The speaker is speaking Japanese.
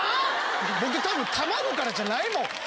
僕多分卵からじゃないもん。